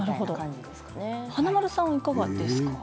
華丸さん、いかがですか？